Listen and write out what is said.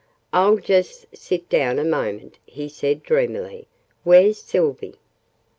"I'll just sit down a moment " he said dreamily: " where's Sylvie?"